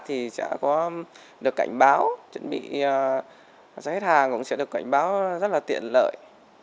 thì sẽ có được cảnh báo chuẩn bị hết hàng cũng sẽ được cảnh báo rất là tiện lợi